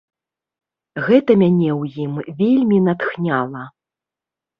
Гэта мяне ў ім вельмі натхняла.